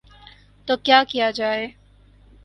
تو کیا کیا جائے؟